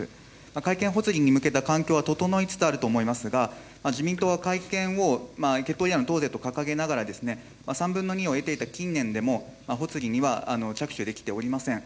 改憲発議に向けた環境は整いつつあると思いますが、自民党は改憲を結党以来の党是と掲げながら、３分の２を得ていた近年でも発議には着手できておりません。